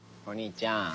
お兄ちゃん。